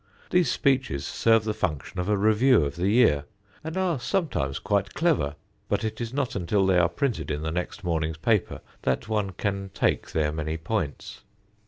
These speeches serve the function of a revue of the year and are sometimes quite clever, but it is not until they are printed in the next morning's paper that one can take their many points.